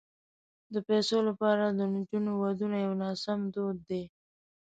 د پيسو لپاره د نجونو ودونه یو ناسم دود دی.